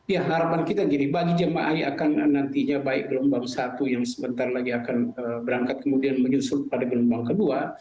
ya harapan kita jadi bagi jemaah yang akan nantinya baik gelombang satu yang sebentar lagi akan berangkat kemudian menyusul pada gelombang kedua